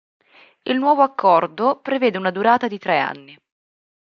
Il nuovo accordo prevede una durata di tre anni.